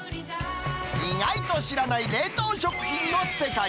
意外と知らない冷凍食品の世界。